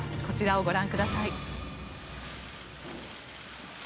こちらをご覧ください。